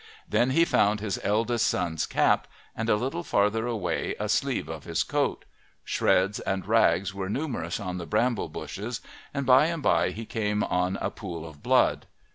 Then he found his eldest son's cap, and a little farther away a sleeve of his coat; shreds and rags were numerous on the bramble bushes, and by and by he came on a pool of blood.